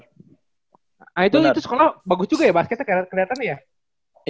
nah itu sekolah bagus juga ya basketnya kelihatannya ya